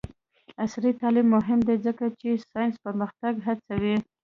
عصري تعلیم مهم دی ځکه چې ساینسي پرمختګ هڅوي.